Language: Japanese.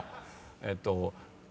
えーっと。